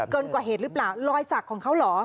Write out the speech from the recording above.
เกินกว่าเหตุหรือเปล่ารอยสักของเขาเหรอ